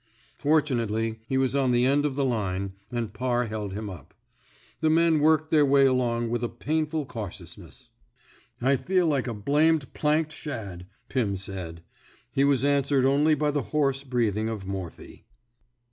Fortunately, he was on the end of the line, and Parr held him up. The men worked their way along with a painful cautiousness. I feel like a blamed planked shad," Pim 29 ( THE SMOKE EATERS said. He was answered only by the hoarse breathing of Morphy.